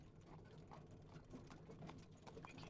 fedha hizo zinaingia katika soko la ndani la fedha za kigeni